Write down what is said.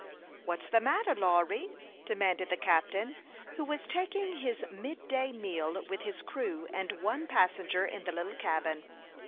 " What's the matter, Lawry ?" demanded the captain, who was taking his midday meal with his crew and one passenger in the little cabin.